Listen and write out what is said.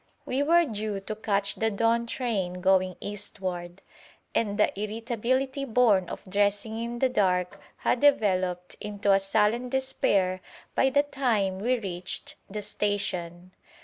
We were due to catch the dawn train going eastward, and the irritability born of dressing in the dark had developed into a sullen despair by the time we reached the station.